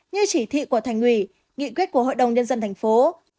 như chỉ thị của thành ủy nghị quyết của hội đồng nhân dân thành phố